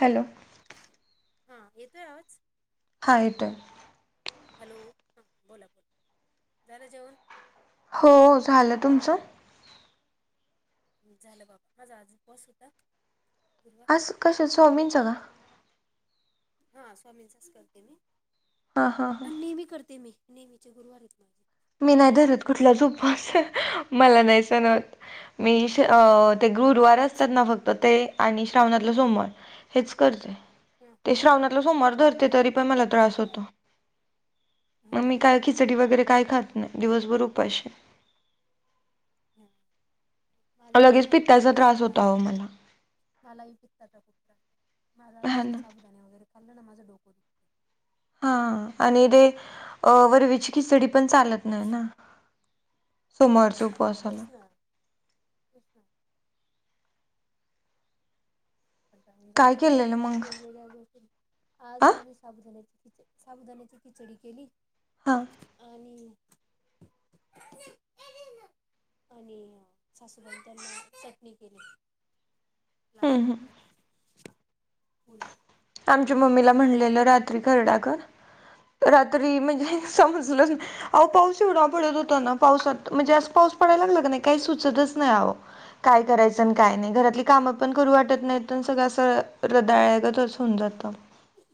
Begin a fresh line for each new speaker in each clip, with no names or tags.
Hello.
हा येतोय आवाज?
हा येतोय आहे.
हॅलो ह बोला, बोला झालं जेवण?
हो झालं. तुमचं?
झालं बाबा माझा आज उपवास होता. गुरुवार
कसं च स्वामिनचा का?
हा स्वामींचाच करते मी
हां हां हां
अन नेहमी करते मी. नेहमीचे गुरुवार आहेत माझे.
मी नाही धरत कुठला उपवास मला नाही सणहोत मी अ ते गुरुवार असतात ना फक्त ते आणि श्रावणातलं सोमवार हेच करते.
हां
ते श्रवणा समोर धरते तरी पण मला त्रास होतो
हां हो
मग
ना
मी काय खिचडी वगैरे काय खात दिवसभर उपाशी.
ह [inaudible]
लगेच पित्त्याचा त्रास होता
माझा
अहो मला.
मलाही पित्ताचा खूप त्रास मला
हा
तसे
ना
साबुदाणा वगैरे खाल्लं ना माझं डोको दु
हा आणि तेे अ वरवीची खिचडी पण चालत नाहीना. सोमवारच
तेच ना कृष्ण [inaudible]
काय
तो
केलेलं
माणूस
मग
वेगवेगळ्या गोष्टी
आ
आज आम्ही साबुदाण्याची खिच साबुदाण्याची खिचडी केली.
हा
आणि आणि सासूबाई त्यांना चटणी केली. लाल
हम्म हम्म
तिखट [unintelligible]
आमच्या मम्मीला म्हणलेलं रात्री खरडा कर रात्री म्हणजे समजलं अहो पाऊस एवढा पडत होता ना पाऊसात म्हणजे अस पाऊस पडायला लागला का नाय काय सुचतच नाही आहो. काय करायचं अनं काय नाय घरातली कामं पण करू वाटत नाहीत अणि सगळं असं रदाळ्यागत होऊन जात.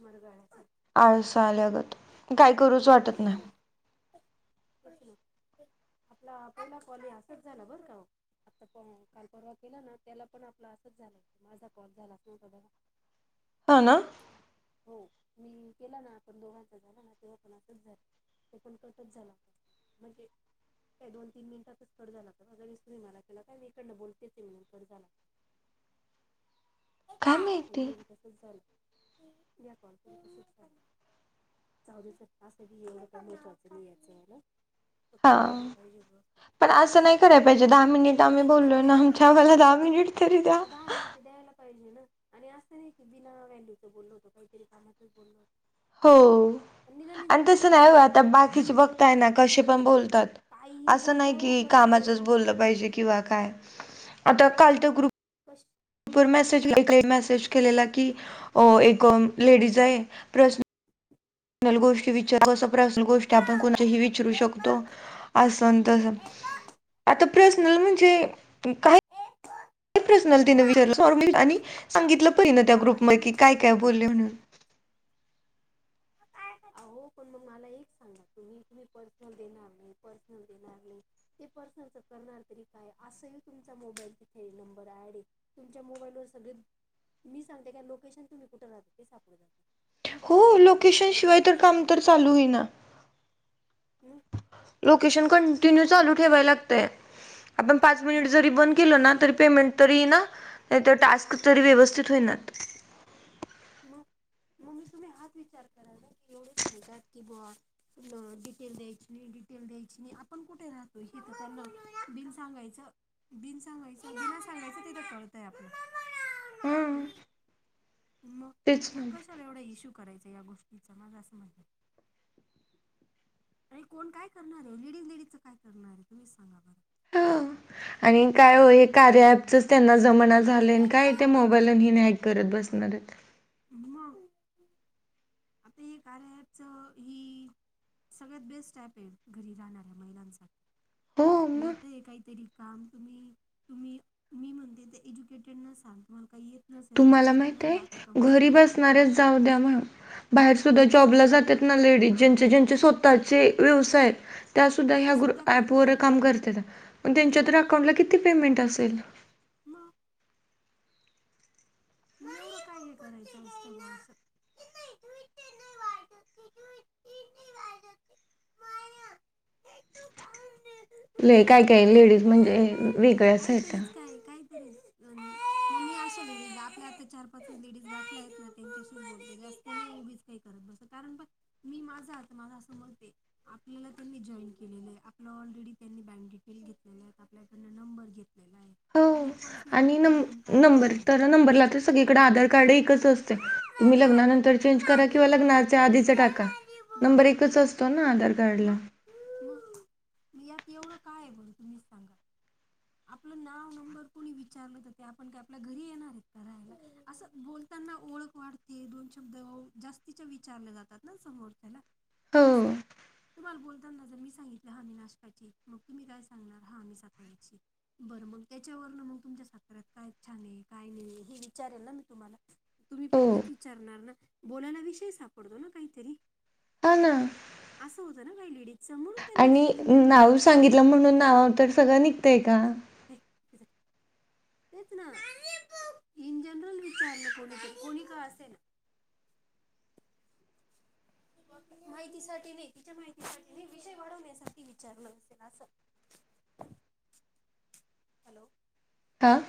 मरगळ्यांस
आळस आल्यागत काय करूच वाटत
तेच
नाय.
ना, तेच ना आपला पहिला कॉलही असाच झालं बरं का ओ आता प काल परवा केला ना त्याला पण आपला असंच झालं होत माझा कॉल झाला तुमचा झाला.
हो न
हो मी केला ना आपण दोघांचा झाला ना तेव्हा पण आसाच झालं ते पण कटच झाला होता. म्हणजे काय दोन तीन मिनिटातच कट झाला होता ना लगेच तुम्ही मला केला काय मी इकडनं बोलतेचये म्हणून कट झाला.
[inaudible]
आणि
माहिती
हे बो तसच झालं यां कॉलच ही तसच झालं. जाऊदे चल असं बी ये काय महत्वाच नाय याच ना फक्त
हा
व्हायला पाहिजे ग
पण असं नाय कराय पाहिजे दहा मिनिट आम्ही बोललोय ना आमच्या आम्हाला दहा मिनिट तरी दया.
ते दहा मिनिटं द्यायला पाहिजे ना. आणि असं नाय की बिना व्हॅल्यूच बोललो होतो कायतरी कामाचच बोललो होतो.
हो
निदान निदान
आणि
तुम्ही
तसं
दहा
नाय
मिनिटं
आता
नका पकडू
बाकीचे बघताय ना कसे पण बोलतात.
काहीही
असं
बोलता
नाय
हो
की कामाचच
कशावरून बी
बोललं पाहिजे किंवा काय आता काल त ग्रुप
पंस
वर मेसेज [inaudible] मेसेज केलेला की, अ एक लेडीज आहे प्रस नल गोष्ट विचारत असं पर्सनल गोष्टी आपण कोणत्या ही विचारू शकतो अस न तस आत पर्सनल म्हणजे काय पर्सनल तिन विचारलं आणि सांगितलं पईन त्या
अहो
ग्रुप
मग
मध्ये की
माझं
काय
तेच
काय
म्हणे
बोलले म्हणून
आहो पण मग मला एक सांगा तुम्ही तुम्ही पर्सनल देणार नाय पर्सनल देणार नाही ते पर सनलच करणार तरी काय असंही तुमचा मोबाईल तिथे नंबर ऍड ये. तुमच्या मोबाईलवर सगळे मी सांगते काय लोकेशन तुम्ही कुठ राहता ते सापडल जात तुम्ही पर्सनल देत
तिशा शिवाय तर काम तर चालू होई ना
मग
लोकेशन कंटिन्यू
तुम्ही
चालू ठेवाय लागतय. आपण पाच मिनिट
मग
जरी बंद केल ना तरी पेमेंट तरी येई ना नायतर टास्क तरी व्यवस्थित होईनात.
म म्हणजे तुम्ही हाच विचार करा ना की एवढे सांगतात की बुआ म डिटेल द्यायची नाही डिटेल द्यायची नाही आपण कुठे राहतोय हे तर त्यांना बिनं सांगायचं बिन सांगायचं बिना सांगायचं तिदे कळतय आपलं
आ
म मग कशाला एवढा इश्यू करायचा या गोष्टीचा माझं असं मत हाय. आणि कोण काय करणार ये लेडीज लेडीच काय करणार ये तुम्हीच सांगा बरं
ह आणि काय हो हे कार्या ऍपचच त्यांना जमाना झालय काय ते
बरं
मोबाईल इन हॅक करत बसणार आहेत.
मं! आता हे कार्या ऍप च ही. सगळ्यात बेस्ट ऍप आहे घरी राहणाऱ्या महिलांसाठी.
हो मग
मिळतय काहीतरी काम तुम्ही-तुम्ही मी म्हणते ते एज्युकेटेडना सांग तुम्हाला काही येत नसेल तरी
तुम्हाला
सुद्धा त्या
माहित आहे
महिला आता कमवत
घरी
आहे मग
बसणाऱ्याच जाऊ द्या म्हणू बाहेर सुद्धा जॉबला जात्यात ना लेडीज ज्यांचे-ज्यांचे स्वतःचे व्यवसाय आहे. त्यासद्धा
ते
ह्या ग्रु
सुद्धा करताय
ऍपवर काम करत्यांत पण त्यांच्या तर
हो
अकाउंटला किती पेमेंट असेल?
म! न एवढं काय हे करायचं असत असं.
[inaudible] [inaudible] लयी काही काही लेडीज म्हणजे वेगळ्याच आहेता.
हूं न मी अशा मुली ला. मी आता चार पाच च लेडीच गाठल्या आहेत ना त्यांच्याशीच बोलते जास्त नाही उगीच काही करत बस कारण बगं मी माझ आता माझं असं मत हे. आपल्याला त्यांनी जॉईन केलेलं आहे, आपल ऑलरेडी त्यांनी बँक डिटेल घेतलेल्या आहेत, आपल्याकडन नंबर घेत लेला आहे.
हो
आणि पर्सनल
आणि न
डिटेल घेऊन काय
नंबर
करणार
तर
आहे
नंबरला त सगळीकडे आधार कार्ड ए कच असतय तुम्ही लग्ना
मग
नंतर चेन्ज करा, किंवा लग्नाच्या आधीच टाका नंबर एकच अस तो ना आधार कार्ड ला.
म यात एवढं काय आहे बरं तुम्हीच सांगा? आपलं नाव नंबर कोणी विचारलं त ते आपण काय आपल्या घरी येणार हेत काय राहायला असं बोल तांना ओळख वाढते दोन शब्द जास्तीच्या विचारले जातात ना समोरच्याला.
हो
असं. तुम्हाला बोलताना जर मी सांगितलं हा मी नाशकाची, मग तुम्ही काय सांगणार हा मी साताऱ्याची. बरं मग त्याच्यावरन मग तुमच्या साताऱ्यात काय छान आहे, काय नही हे विचारेल ना मी तुम्हाला. तुम्ही पण
हो
तेच विचारणार ना, बोलायला विषय सापडतो ना काहीतरी.
हा ना.
असं होत ना काही लेडीज
आणि नाव सांगितलं म्हणून नाव तर सगळं निघतय का?
[unintelligible] तेच ना इन जनरल विचारलं कोणीतरी कोणी का असेना [unintelligible] माहितीसाठी नी तिच्या माहितीसाठी मी विषय वाढवण्यासाठी विचारलं असेल असं. हॅलो!
हां!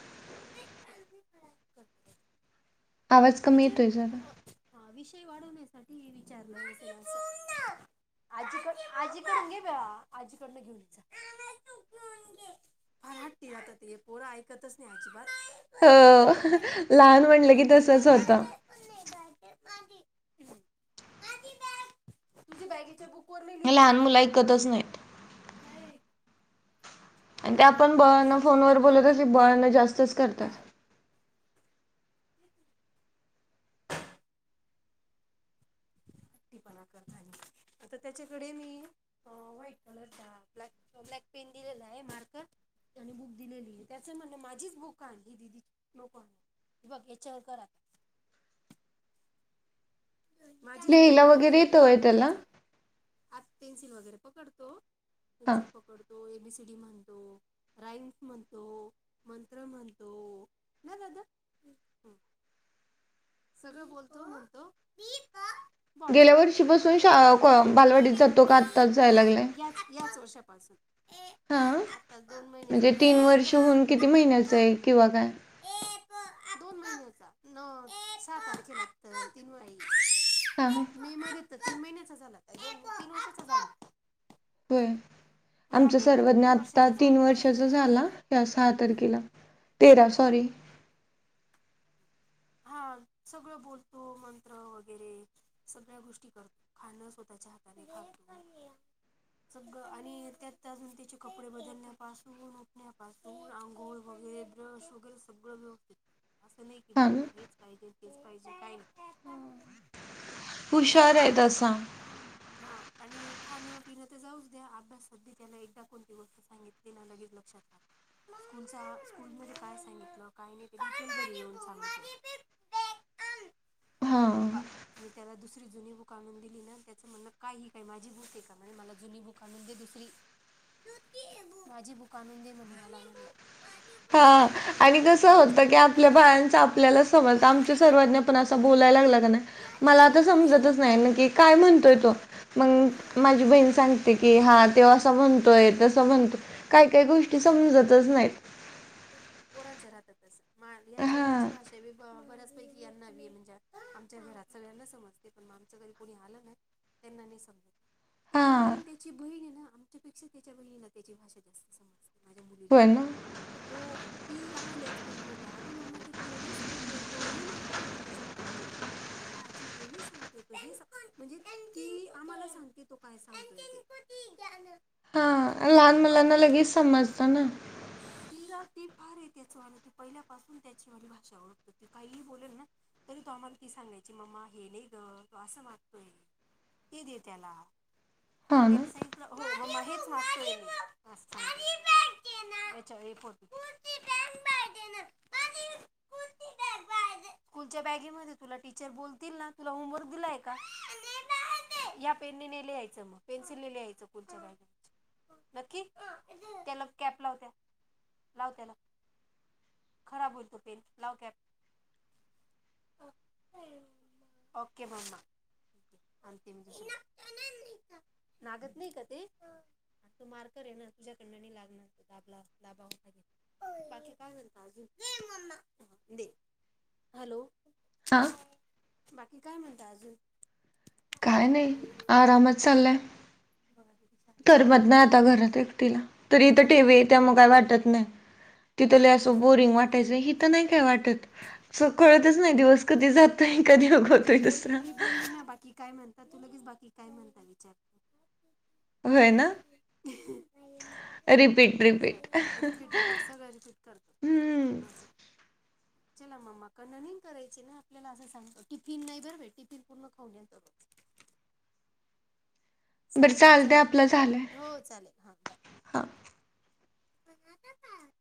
[unintelligible]
आवाज कमी
विचय
येतोय जरा
हा, हा विषय वाढवण्यासाठी विचारलं असेल असं. आजीकड आजी काून घे ब आजीकडनं घेऊनचा [unintelligible] फार हट्टी आता ते पोर ऐकतच नाही अजिबात. [unintelligible]
हो लहान म्हटलं की तसच होत.
तुम बॅगेच्या बुक. [unintelligible]
हे लहान मुलं ऐकतच नाहीत.
नाही.
आणि ते
त्याला
आपण
बुक पाहिजे
बळणं फोनवर बोलत असली बळणं जास्तच करतात.
[inaudible] ती बलात्कार झाले. आता त्याच्याकडे मी अ व्हाईट कलरचा ब्लॅक ब्लॅक पेन दिलेला आहे मार्कर त्यांनी बुक दिलेली त्याच म्हण माझीच बुक आणली दिदीची नको आणू. बघ य चळकर आता माझीच बुक
लिहायला
आण
वगैरे
माझ्याच
येतं
बुक वर
होय त्याला?
करायचं अता. आत पेन्सिल वगैरे पकडतो
हा.
पेन्सिल पकडतो ए बी सी डी म्हणतो. राईम्स म्हणतो मंत्र म्हणतो. ना दादा? हं. सगळं बोलतो म्हणतो. मी प
गेल्या वर्षीपासून शा कॉ बालवाडीत जातो का आत्ताच जाय लागलाय?
याच याच वर्षापासून
हा.
आताच दोन महिने
म्हणजे
झाले
तीन वर्ष
ना
होऊन
त्या
किती महिन्याचं आहे किंवा काय?
एक दोन महिन्याचा न सहा तारखे लागत तीन
हा हा.
वेळा मी मारत तर तीन महिन्याचा झाला तीन वर्षाचा झाला.
होय
ह्या
आमचा
मे मध्ये
सर्वज्ञ
तीन
आता
वर्षाचा झाला
तीन वर्षाचा झाला या सहा
हम्म.
तारखेला. तेरा सॉरी.
हा सगळं बोलतो मंत्र वगैरे सगळ्या गोष्टी करतो खाण स्वतःच्या हाताने खातो. सगळं आणि त्यातजून त्याचे कपडे बदलण्यापासून उठण्या पासून तो अंघोळ वगैरे ब्रश वगैरे सगळं व्यवस्थित अस नई - - किंवा
हा ना.
त्याला हेच पाहिजे तेच पाहिजे काय नाही.
हुशार आहे. तसा - -
हा आणि खाणं पिणं तर जाऊच द्या अभ्यासात भी त्याला एकदा कोणती गोष्ट सांगितली ना लगेच लक्षात राहत. स्कूलचा स्कुल मध्ये काय सांगितलं काय नाही ते घरी येऊन सांग
हा.
पा मी त्याला दुसरी जुनी बुक आणून दिली ना त्याच म्हणण कायही काही माझी बुक आहे का म्हणजे मला जुनी बुक आणून दे दुसरी.
[inaudible]
माझी बुक आनून दे म्हणे मला म्हणे.
हा
बुक आणून ही काय-
आणि
ही काय
कसं
माझी
होतं
बुक
की
आहे का
आपल्या बाळंच आपल्याला समजत
ए
आमची
माझी
सर्वज्ञ
बुक
पण
आहे
असा
का
बोल - - बोलायला कणी
माझी
मला
बुक
आता समजतच नाही ना की काय म्हणतोय तो?
माझी बुक
मंग
हा.
माझी बहीण सांगते की हा त्यो असं
नाही माझी
म्हणतोय
बुक
तसा म्हणतोय. काही काही गोष्टी समजतच नाहीत.
पोरांच राहतातस मा याच
हा
याची भाषा बऱ्याच पैकी यांना बी म्हणजे आमच्या घरात सगळ्यांना समजते पण मग आमचं घरी कोणी आलं नाही त्यांना नाही समजत.
हा
एव्हन त्याची बहीण आहे ना आमच्यापेक्षा त्याच्या बहिण ला त्याची भाषा जास्त समजते. माझ्या मुलीला.
होय
हो
[inaudible]
ती आम्हाला एक्सप्लेन करते अगं मम्मा ते ते नाही सांगतोयतो हे मागतोय तो तुझ्याकडनं. अग आजी हे नाही सांगतय तो म्हणजे ती आम्हाला सांगते तो काय सांगतोय ते.
हा लाहान
हो
मुलाना लगेच समजत ना.
तिला ती फार आहे त्याचवाल ती पहिल्यापासून त्याचीवाली भाषा ओळखतते ती काही बोल ना. तरी तो आम्हाला ती सांगायची मम्मा हे नाही ग तो असं मागतोय. ते दे त्याला अन
हा ना
त्यांन सांगितलं हो मम्मा हेच मागतोय मी. असं सांगता तो याच्यावर [unintelligible]
[unintelligible]
स्कूलच्या बॅगेमधी तुला टीचर बोलतील ना तुला होमवर्क दिलाय का? या पेनने ने लियायचं मग पेन्सिलने लियायचं स्कूलच्या [unintelligible] नक्की त्याला कॅप लाव त्या लाव त्याला खराब होईल तो पेन लाव कॅप ओके मम्मा [unintelligible] लागत नाही का ते तू मार करे ना तुझ्याकडनं नाही लागणार दाबला दाबावा लागेल बाकी काय म्हणता अजून हा दे हॅलो
हा
बाकी काय म्हणता अजून?
काय नाही आरामच चाललाय
बघा किती छान आहे मी
करमत नाही
बाकी काय
आता घरात एकटीला तरी इथे
तेच ना.
टीव्ही आहेत त्यामुळे काय वाटत नाही तिथ असं बोरिंग वाटायच हित नाहीय काय वाटत सो कळतच नाही दिवस कधी जातोय कधी उग
मी बोल मी बोलल ना बाकी काय म्हणता तू लगेच बाकी काय म्हणता विचारत
होय ना
[unintelligible]
रिपीट, रिपीट
रिपीट रिपीट सगळं रिपीट करतो
हम्मं
असं
[unintelligible]
चला मम्मा कडन नीन करायची ना आपल्याला असं सांगतो टिफिन नाही भर टिफिन पूर्ण खाऊन घ्यायचा तो
बरं
चालेल
चालतंय
चला
आपलं झालंय
हो चालेल हा बाय
हा.
[unintelligible]